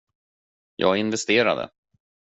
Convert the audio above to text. Jag investerade.